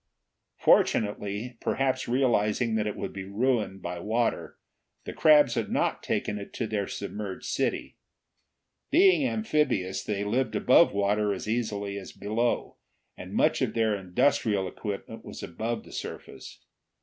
Fortunately, perhaps realizing that it would be ruined by water, the crabs had not taken it to their submerged city. Being amphibious, they lived above water as easily as below, and much of their industrial equipment was above the surface.